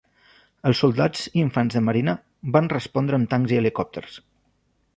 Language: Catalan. Els soldats i infants de marina van respondre amb tancs i helicòpters.